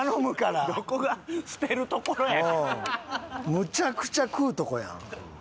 むちゃくちゃ食うとこやん。